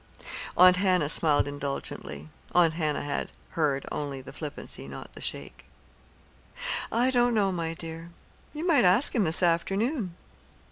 Aunt Hannah smiled indulgently Aunt Hannah had heard only the flippancy, not the shake. "I don't know, my dear. You might ask him this afternoon."